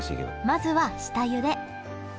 まずは下ゆで。